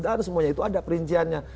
harus semuanya itu ada perinciannya